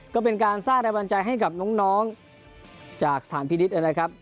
ก็เป็นการสร้างแรงบันใจให้กับน้องจากสถานพินิษฐ์นะครับ